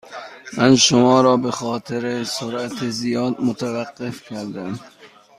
من شما را به خاطر سرعت زیاد متوقف کردم.